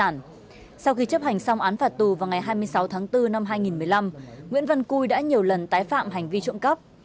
nguyễn văn cui đã nhiều lần tái phạm hành vi trộm cấp